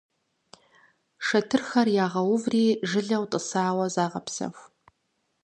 Шэтырхэр ягъэуври жылэу тӀысауэ загъэпсэху.